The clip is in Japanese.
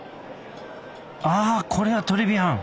あこれはトレビアン！